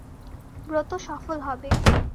ব্রত সফল হবে।